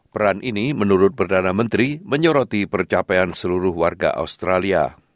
peran ini menurut perdana menteri menyoroti percapaian seluruh warga australia